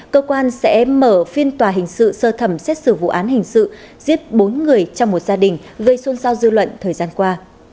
cơ quan sẽ mở phiên tòa hình sự sơ thẩm xét xử vụ án hình sự giết bốn người trong một gia đình gây xôn xao dư luận thời gian qua